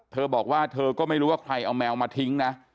เธอบอกว่าเธอก็ไม่รู้ว่าใครเอาแมวมาทิ้งนะ